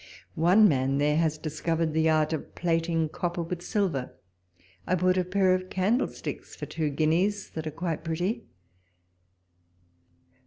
One man there has discovered the art of plating copper with silver ; I bought a pair of candle sticks for two guineas that are quite pretty.